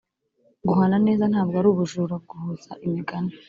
guhana neza ntabwo ari ubujura guhuza umugani